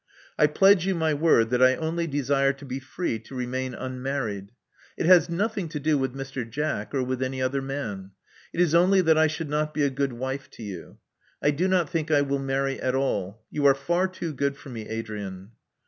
I pledge you my word that I only desire to be free to remain unmarried. It has nothing to do with Mr. Jack or with any other man. It is only that I should not be a good wife to you. I do not think I will marry at all. You are far too good for me, Adrian."